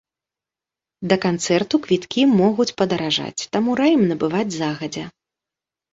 Да канцэрту квіткі могуць падаражаць, таму раім набываць загадзя!